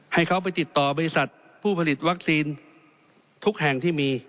ให้เขาไปติดต่อบริษัทผู้ผลิตวัคซีนทุกแห่งที่มี